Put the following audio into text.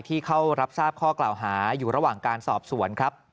เข้ารับทราบข้อกล่าวหาอยู่ระหว่างการสอบสวนครับ